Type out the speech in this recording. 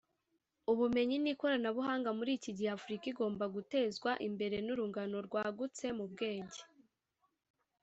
ubumenyi n’ikoranabuhanga muri iki gihe Afurika igomba gutezwa imbere n’urungano rwagutse mu bwenge